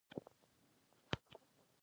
خټکی له خندا سره ښه ده.